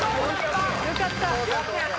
よかった。